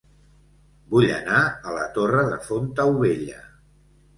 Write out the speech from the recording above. Vull anar a La Torre de Fontaubella